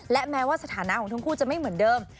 และแม้ว่าสถานะของทั้งคู่จะไม่เหมือนเดิม